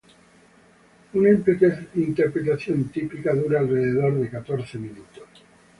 Una interpretación típica dura alrededor de catorce minutos.